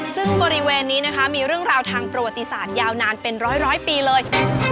ซึ่งบริเวณนี้นะคะมีเรื่องราวทางประวัติศาสตร์ยาวนานเป็นร้อยปีเลย